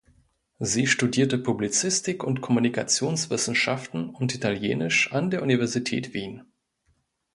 Sie studierte Publizistik und Kommunikationswissenschaften und Italienisch an der Universität Wien.